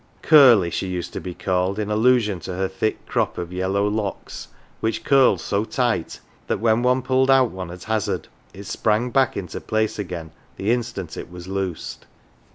"Curly,'" she used to be called, in allusion to her thick crop of yellow locks, which curled so tight that when one pulled out one at hazard it sprang back into place again the instant it was loosed.